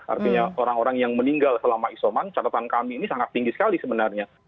artinya orang orang yang meninggal selama isoman catatan kami ini sangat tinggi sekali sebenarnya